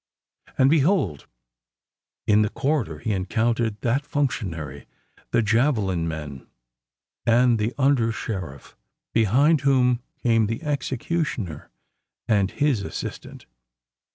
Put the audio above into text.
And, behold! in the corridor, he encountered that functionary, the javelin men, and the under sheriff, behind whom came the executioner and his assistant.